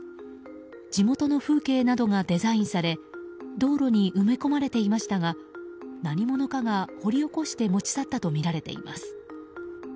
地元の風景などがデザインされ道路に埋め込まれていましたが何者かが掘り起こして持ち去ったとみられています。